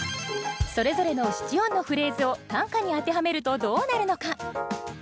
それぞれの七音のフレーズを短歌に当てはめるとどうなるのか？